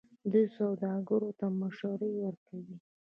دوی سوداګرو ته مشورې ورکوي.